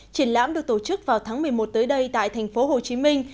triển lãm được tổ chức vào tháng một mươi một tới đây tại thành phố hồ chí minh